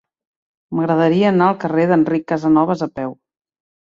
M'agradaria anar al carrer d'Enric Casanovas a peu.